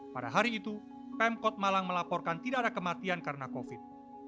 pada hari itu pemkot malang melaporkan tidak ada kematian karena covid